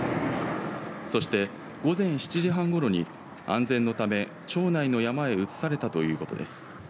そして午前７時半ごろに安全のため、町内の山へ移されたということです。